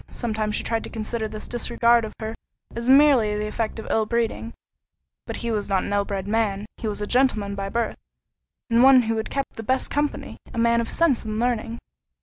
Sometimes she tried to consider this disregard of her as merely the effect of ill breeding; but he was not an ill bred man: he was a gentleman by birth, and one who had kept the best company—a man of sense and learning.